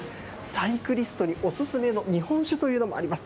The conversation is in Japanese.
サイクリストにお勧めの日本酒というのもあります。